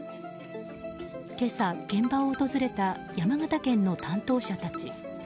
今朝、現場を訪れた山形県の担当者たち。